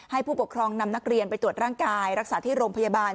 ผู้ปกครองนำนักเรียนไปตรวจร่างกายรักษาที่โรงพยาบาล